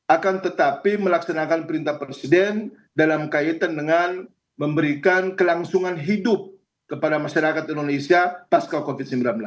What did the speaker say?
akan tetapi melaksanakan perintah presiden dalam kaitan dengan memberikan kelangsungan hidup kepada masyarakat indonesia pasca covid sembilan belas